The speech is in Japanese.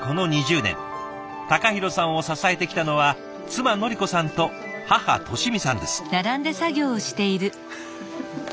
隆弘さんを支えてきたのは妻徳子さんと母俊美さんです。